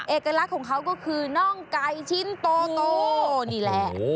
เอกลักษณ์ของเขาก็คือน่องไก่ชิ้นโตนี่แหละ